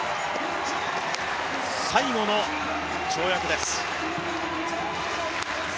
最後の跳躍です。